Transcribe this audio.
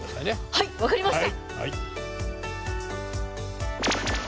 はい分かりました。